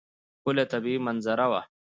ښکلې طبیعي منظره وه.